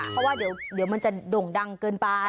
เพราะว่าเดี๋ยวมันจะโด่งดังเกินไป